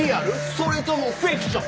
それともフィクション？」